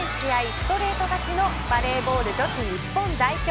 ストレート勝ちのバレーボール女子日本代表。